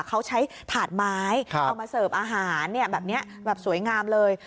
เขาใช้ถาดไม้เอามาเสิร์ฟอาหารแบบนี้แบบสวยงามเลย